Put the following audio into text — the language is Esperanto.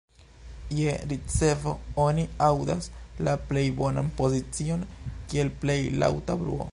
Je ricevo oni aŭdas la plej bonan pozicion kiel plej laŭta bruo.